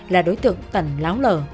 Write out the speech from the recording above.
là đối tượng tẩn láo lờ